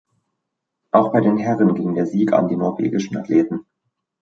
Auch bei den Herren ging der Sieg an die norwegischen Athleten.